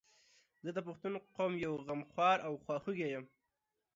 زه د پښتون قوم یو غمخوار او خواخوږی یم